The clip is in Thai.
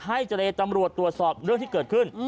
เจรตำรวจตรวจสอบเรื่องที่เกิดขึ้น